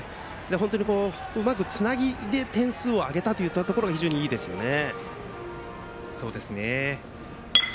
本当にうまくつなぎで点数を挙げたというのが非常にいいですね。